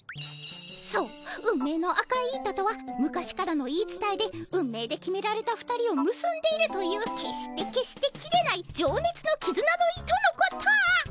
そう運命の赤い糸とは昔からの言い伝えで運命で決められた２人をむすんでいるという決して決して切れないじょうねつのきずなの糸のこと！